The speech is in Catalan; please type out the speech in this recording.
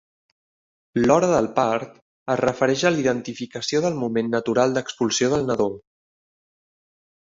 L"hora del part es refereix a l"identificació del moment natural d'expulsió del nadó.